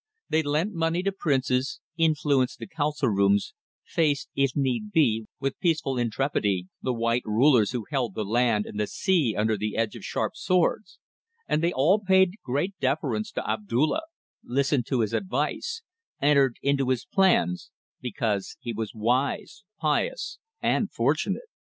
They lent money to princes, influenced the council rooms, faced if need be with peaceful intrepidity the white rulers who held the land and the sea under the edge of sharp swords; and they all paid great deference to Abdulla, listened to his advice, entered into his plans because he was wise, pious, and fortunate.